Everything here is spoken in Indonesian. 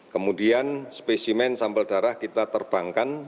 kemudian spesimen sampel darah kita terbangkan